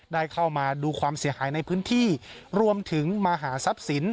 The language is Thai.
ได้เข้ามาดูความเสียหายในพื้นที่รวมถึงมาหาทรัพย์สิน